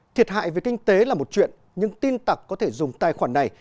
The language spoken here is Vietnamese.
thiệt hại về kinh tế là một chuyện nhưng tin tặc có thể dùng tài khoản này